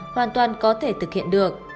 hoàn toàn có thể thực hiện được